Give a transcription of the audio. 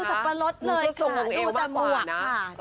ก็ลดเลยค่ะดูแต่หมวกค่ะ